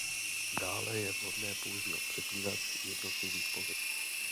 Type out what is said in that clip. Dále je vhodné použít přepínač jednotlivých pozic.